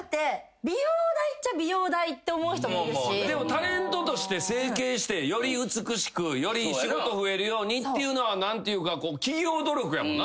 タレントとして整形してより美しくより仕事増えるようにっていうのは何というか企業努力やもんな。